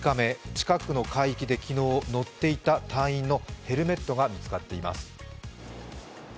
近くの海域で昨日、乗っていた隊員のヘルメットが見つかっています。